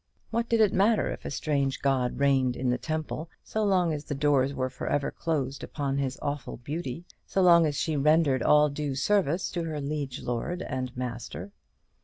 What did it matter if a strange god reigned in the temple, so long as the doors were for ever closed upon his awful beauty; so long as she rendered all due service to her liege lord and master?